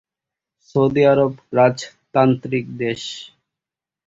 Saudi আরব রাজতান্ত্রিক দেশ।